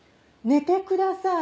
寝てください